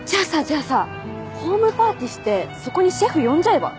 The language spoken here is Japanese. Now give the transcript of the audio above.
じゃあさホームパーティーしてそこにシェフ呼んじゃえば？